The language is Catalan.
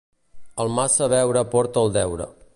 El massa beure porta el deure.